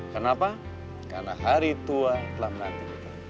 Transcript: kenapa karena hari tua telah menanti